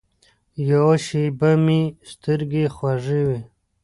یوه شېبه مې سترګې خوږې وې.